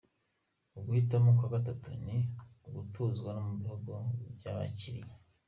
Uguhitamo kwa gatatu ni ugutuzwa mu bihugu byabakiriye.